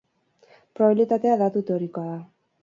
Probabilitatea datu teorikoa da.